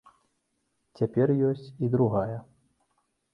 Цяпер ёсць і другая.